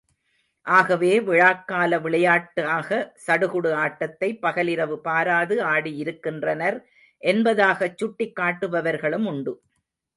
ஆகவே, விழாக்கால விளையாட்டாக சடுகுடு ஆட்டத்தை பகல் இரவு பாராது ஆடியிருக்கின்றனர் என்பதாகச் சுட்டி காட்டுபவர்களும் உண்டு.